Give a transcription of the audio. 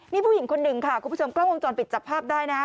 นี่ผู้หญิงคนหนึ่งค่ะคุณผู้ชมกล้องวงจรปิดจับภาพได้นะ